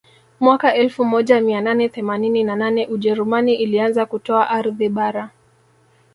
Mwaka elfu moja mia nane themanini na nane ujerumani ilianza kutoa ardhi bara